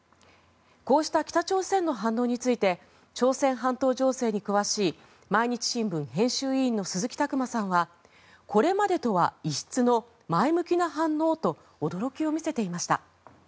こうした北朝鮮の反応について朝鮮半島情勢に詳しい毎日新聞編集委員の鈴木琢磨さんはこれまでとは異質の前向きな反応と驚きを見せていました。